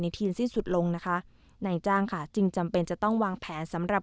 ทีนสิ้นสุดลงนะคะนายจ้างค่ะจึงจำเป็นจะต้องวางแผนสำหรับ